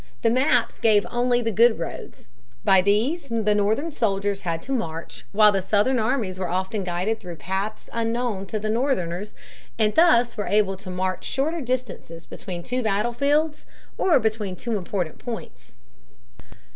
The maps gave only the good roads. By these the Northern soldiers had to march while the Southern armies were often guided through paths unknown to the Northerners, and thus were able to march shorter distances between two battlefields or between two important points.